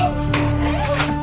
えっ！？